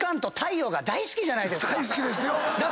大好きですよ。